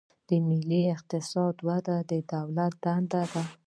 د ملي اقتصاد وده د دولت دنده ده.